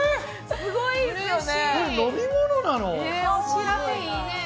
すごいですよね。